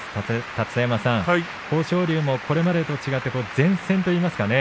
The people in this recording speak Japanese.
立田山さん、豊昇龍もこれまでと違って善戦といいますかね。